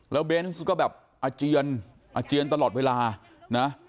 แล้วเบนส์ก็แบบอาเจียนอาเจียนตลอดเวลานะ